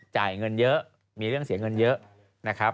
จ่ายเงินเยอะมีเรื่องเสียเงินเยอะนะครับ